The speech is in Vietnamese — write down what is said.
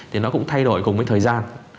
thì nó cũng thay đổi cùng với thời gian